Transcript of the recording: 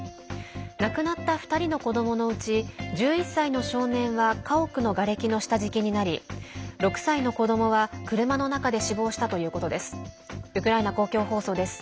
亡くなった２人の子どものうち１１歳の少年は家屋のがれきの下敷きになり６歳の子どもは車の中で死亡したということです。